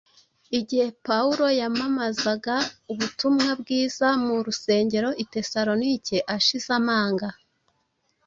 Igihe Pawulo yamamazaga ubutumwa bwiza mu rusengero i Tesalonike ashize amanga,